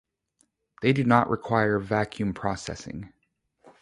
They do not require vacuum processing.